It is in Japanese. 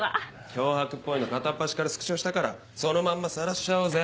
脅迫っぽいの片っ端からスクショしたからそのまんま晒しちゃおうぜ。